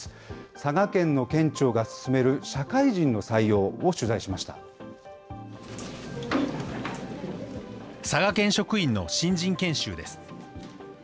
佐賀県の県庁が進める社会人の採佐賀県職員の新人研修です。